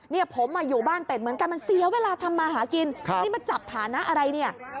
งั้นแชร์ไปเยอะเลย